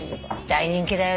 大人気だよね。